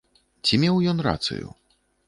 Ці меў ён рацыю?